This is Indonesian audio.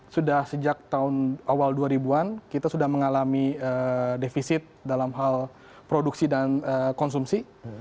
sudah sejak tahun awal dua ribu an kita sudah mengalami defisit dalam hal produksi dan konsumsi